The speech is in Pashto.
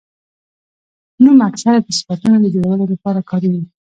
نوم اکثره د صفتونو د جوړولو له پاره کاریږي.